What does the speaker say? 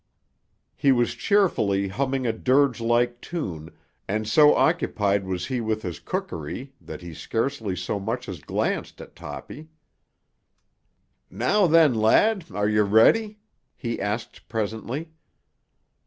He was cheerfully humming a dirge like tune, and so occupied was he with his cookery that he scarcely so much as glanced at Toppy. "Now then, lad; are you ready?" he asked presently.